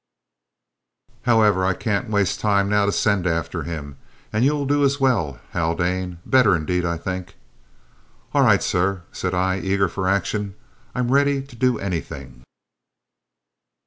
However, I can't waste the time now to send after him, and you'll do as well, Haldane better, indeed, I think!" "All right, sir," said I, eager for action. "I'm ready to do anything."